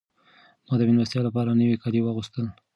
ما د مېلمستیا لپاره نوي کالي واغوستل.